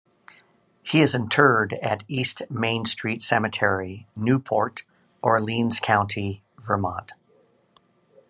He is interred at East Main Street Cemetery, Newport, Orleans County, Vermont.